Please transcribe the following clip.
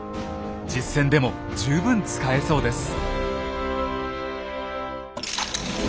実戦でも十分使えそうです。